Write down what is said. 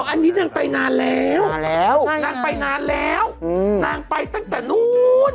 อันนี้นางไปนานแล้วนางไปนานแล้วนางไปตั้งแต่นู้น